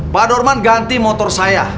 pak dorman ganti motor saya